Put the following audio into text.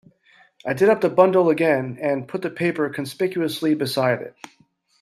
I did up the bundle again, and put the paper conspicuously beside it.